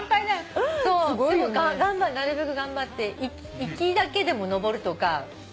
すごいよね。なるべく頑張って行きだけでも上るとか。